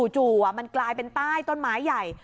จู่มันกลายเป็นใต้ต้นไม้ใหญ่